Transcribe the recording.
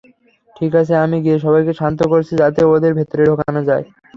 ঠিক আছে, আমি গিয়ে সবাইকে শান্ত করছি যাতে ওদেরকে ভেতরে ঢোকানো যায়।